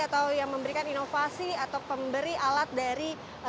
atau yang memberikan inovasi atau pemberi alat dari